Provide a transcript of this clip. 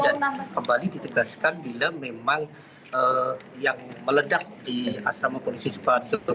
dan kembali ditegaskan bila memang yang meledak di asrama polisi surga